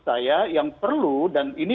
saya yang perlu dan ini